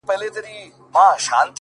پيل كي وړه كيسه وه غـم نه وو’